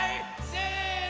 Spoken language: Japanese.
せの！